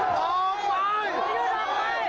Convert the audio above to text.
ประยุทธ์ออกไป